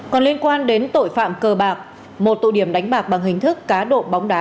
còn liên quan đến tội phạm cơ bạc một tụ điểm đánh bạc bằng hình thức cá độ bóng đá